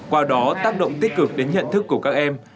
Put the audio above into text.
qua đó tác động tích cực đến nhận thức của các em